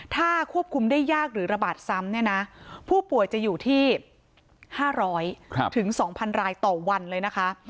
ถ้าควบคุมได้ยากหรือระบาดซ้ำเนี่ยนะผู้ป่วยจะอยู่ที่๕๐๐๒๐๐รายต่อวันเลยนะคะ